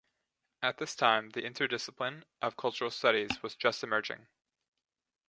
At this time, the interdiscipline of cultural studies was just emerging.